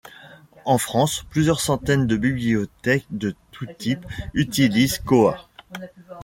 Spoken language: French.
En France, plusieurs centaines de bibliothèques de tous types utilisent Koha.